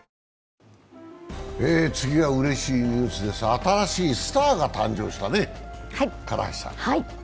新しいスターが誕生したね。